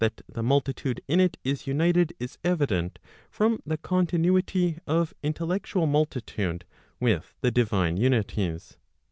4J5 the multitude in it is united isevident from the continuity of intellectual multitude with the divine unities.